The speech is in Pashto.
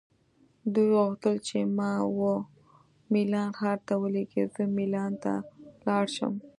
دوی غوښتل چې ما وه میلان ښار ته ولیږي، زه مېلان ته لاړ شم.